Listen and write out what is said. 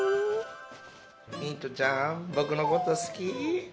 ミントちゃん僕のこと好き？